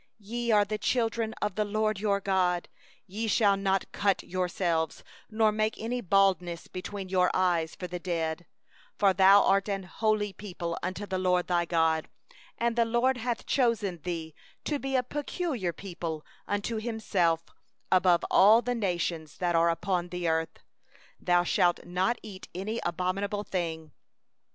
Ye are the children of the LORD your God: ye shall not cut yourselves, nor make any baldness between your eyes for the dead. 2For thou art a holy people unto the LORD thy God, and the LORD hath chosen thee to be His own treasure out of all peoples that are upon the face of the earth. 3Thou shalt not eat any abominable thing.